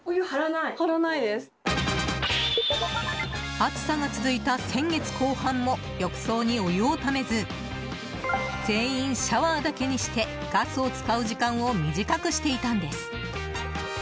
暑さが続いた先月後半も浴槽にお湯をためず全員シャワーだけにしてガスを使う時間を短くしていたんです。